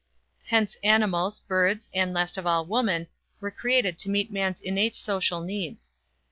Hence animals, birds, and, last of all, woman, were created to meet man's innate social needs.